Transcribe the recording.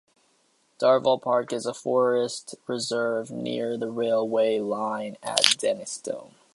Darvall Park is a forest reserve near the railway line at Denistone.